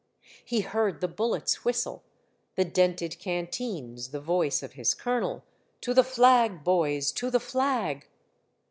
He heard the bullets whistle, the dented canteens, the voice of his colonel, " To the flag, boys ! to the flag